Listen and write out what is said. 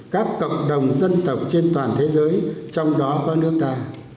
các cộng đồng dân tộc trên toàn thế giới trong đó có nước ta